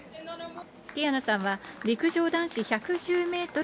ティヤナさんは陸上男子１１０メートル